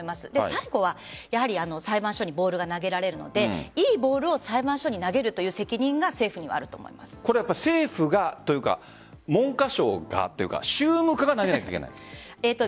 最後は裁判所にボールが投げられるのでいいボールを裁判所に投げるという責任が政府がというか文科省がというか宗務課が投げなければいけない。